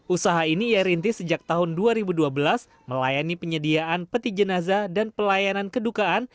usaha ini ia rintis sejak tahun dua ribu dua belas melayani penyediaan peti jenazah dan pelayanan kedukaan